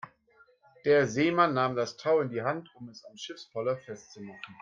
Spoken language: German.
Der Seemann nahm das Tau in die Hand, um es am Schiffspoller festzumachen.